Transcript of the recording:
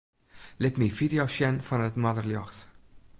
Lit my fideo's sjen fan it noarderljocht.